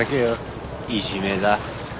いじめだ。